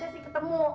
harusnya sih ketemu